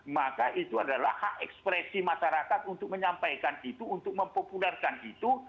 maka itu adalah hak ekspresi masyarakat untuk menyampaikan itu untuk mempopulerkan itu